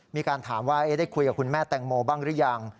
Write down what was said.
มีการถามว่าได้คุยกับคุณแม่แตงโมบ้างหรือยัง